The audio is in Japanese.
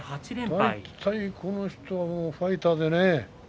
この人はファイターでね。